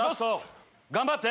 頑張って！